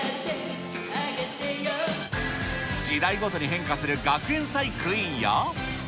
時代ごとに変化する学園祭クイーンや。